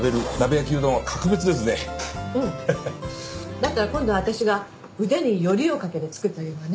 だったら今度は私が腕によりをかけて作ってあげるわね。